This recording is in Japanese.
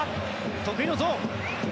得意のゾーン。